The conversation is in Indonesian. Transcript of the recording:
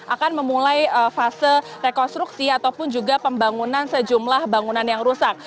akan memulai fase rekonstruksi ataupun juga pembangunan sejumlah bangunan yang rusak